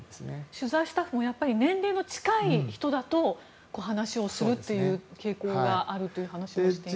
取材スタッフも年齢が近い人だと話をするっていう傾向があるという話をしていました。